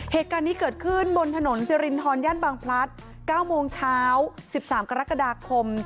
เหตุการณ์นี้เกิดขึ้นบนถนนสิรินทรย่านบางพลัด๙โมงเช้า๑๓กรกฎาคม